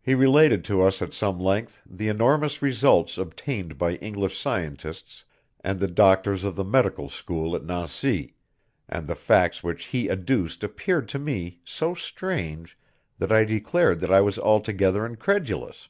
He related to us at some length, the enormous results obtained by English scientists and the doctors of the medical school at Nancy, and the facts which he adduced appeared to me so strange, that I declared that I was altogether incredulous.